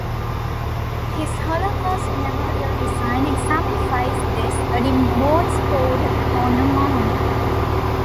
His Holocaust memorial design exemplifies this, adding bones poured on a mound.